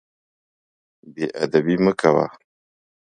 بې ادبي مه کوه.